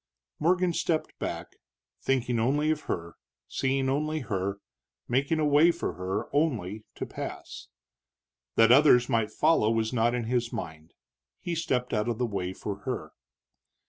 Morgan stepped back, thinking only of her, seeing only her, making a way for her, only, to pass. That others might follow was not in his mind. He stepped out of the way for her.